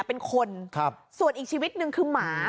เป็นคนครับส่วนอีกชีวิตหนึ่งคือหมา